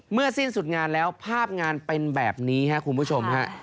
สิ้นสุดงานแล้วภาพงานเป็นแบบนี้ครับคุณผู้ชมฮะ